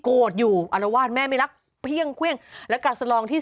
โกรธอยู่อารวาสแม่ไม่รักเพี่ยงเครื่องและการสลองที่